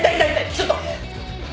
ちょっと。